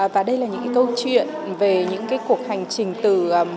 và đây là những câu chuyện về những cuộc hành trình từ